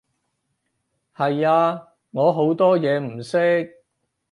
係啊，我好多嘢唔識